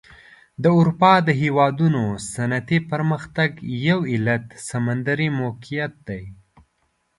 د اروپا د هېوادونو صنعتي پرمختګ یو علت سمندري موقعیت دی.